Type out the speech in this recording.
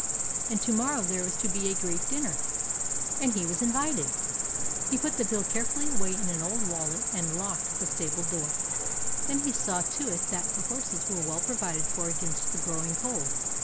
And to morrow there was to be a great dinner, and he was invited ! He put the bill carefully away in an old wallet and locked the stable door. Then he saw to it that the horses were well provided for against the growing cold.